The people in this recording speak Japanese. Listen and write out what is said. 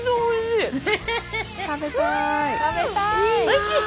おいしい。